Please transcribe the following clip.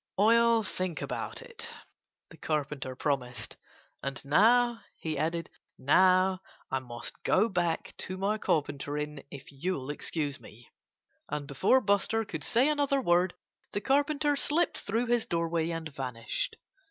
"I'll think about it," the Carpenter promised. "And now," he added, "now I must go back to my carpentering if you'll excuse me." And before Buster could say another word the Carpenter slipped through his doorway and vanished.